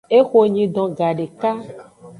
Ehonyidon gadeka.